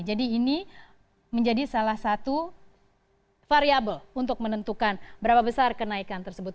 jadi ini menjadi salah satu variable untuk menentukan berapa besar kenaikan tersebut